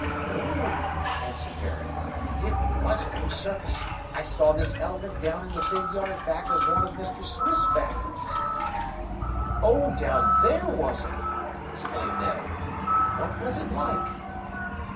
"No," answered Harry, "it wasn't no circus. I saw this elephant down in the big yard back of one of Mr. Swift's factories." "Oh, down there, was it!" exclaimed Ned. "What was it like?"